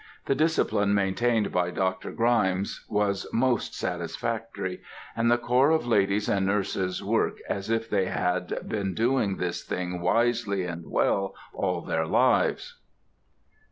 The discipline maintained by Dr. Grymes was most satisfactory, and the corps of ladies and nurses work as if they had been doing this thing wisely and well all their lives.